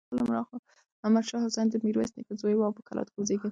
احمد شاه حسين د ميرويس نيکه زوی و او په کلات کې وزېږېد.